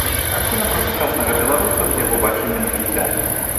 Карціна пра сучаснага беларуса, з яго бачаннем жыцця.